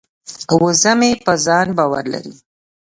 وزه مې په ځان باور لري.